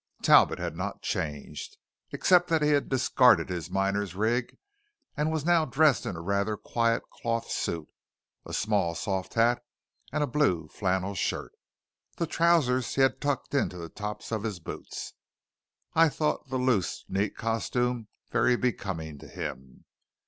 Talbot had not changed, except that he had discarded his miner's rig, and was now dressed in a rather quiet cloth suit, a small soft hat, and a blue flannel shirt. The trousers he had tucked into the tops of his boots. I thought the loose, neat costume very becoming to him.